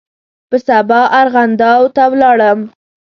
په سبا ارغنداو ته ولاړم.